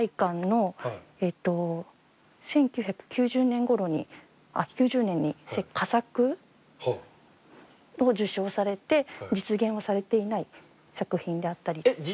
１９９０年ごろにあっ９０年に佳作を受賞されて実現をされていない作品であったりとか。